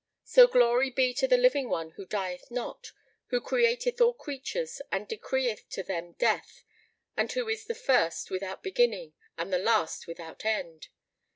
So glory be to the Living One who dieth not, who createth all creatures and decreeth to them death and who is the First, without beginning, and the Last, without end!